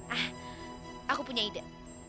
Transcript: ah aku punya ide